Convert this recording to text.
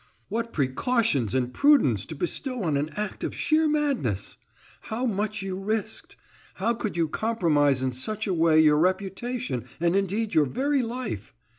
"What precautions and prudence to bestow on an act of sheer madness! How much you risked! How could you compromise in such a way your reputation, and indeed your very life!